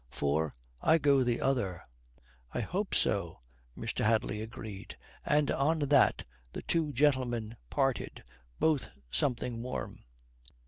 For I go the other." "I hope so," Mr. Hadley agreed, and on that the two gentlemen parted, both something warm.